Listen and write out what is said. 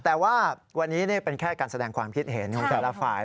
แต่ว่าวันนี้เป็นแค่การแสดงความคิดเห็นของแต่ละฝ่าย